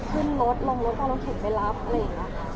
ขึ้นรถลงรถเอารถเข็นไปรับอะไรอย่างนี้ค่ะ